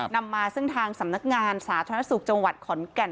นำมาซึ่งทางสำนักงานสาธารณสุขจังหวัดขอนแก่น